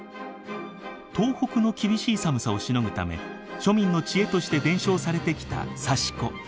東北の厳しい寒さをしのぐため庶民の知恵として伝承されてきた刺し子。